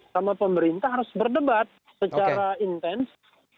sama pemerintah harus berdebat secara intens